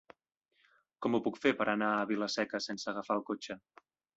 Com ho puc fer per anar a Vila-seca sense agafar el cotxe?